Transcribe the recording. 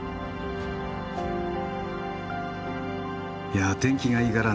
いや天気がいいからね